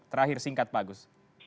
terakhir singkat pak agus